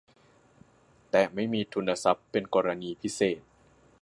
แต่ไม่มีทุนทรัพย์เป็นกรณีพิเศษ